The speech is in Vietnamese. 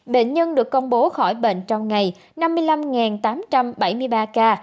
bệnh nhân được công bố khỏi bệnh trong ngày năm mươi năm tám trăm bảy mươi ba ca